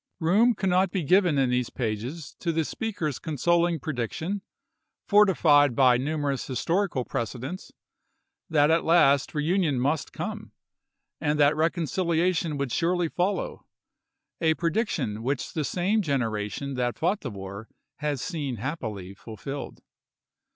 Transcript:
Room cannot be given in these pages to the speaker's consoling prediction, fortified by numer ous historical precedents, that at last reunion must come, and that reconciliation would surely follow — a prediction which the same generation that fought the war has seen happily fulfilled.